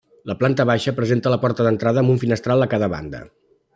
La planta baixa presenta la porta d'entrada amb un finestral a cada banda.